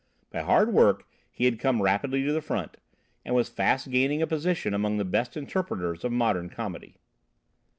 By hard work he had come rapidly to the front, and was fast gaining a position among the best interpreters of modern comedy.